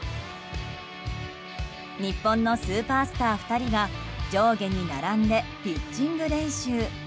日本のスーパースター２人が上下に並んでピッチング練習。